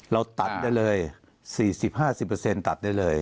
เราตัดได้เลย๔๐๕๐ตัดได้เลย